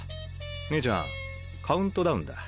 姉ちゃんカウントダウンだ。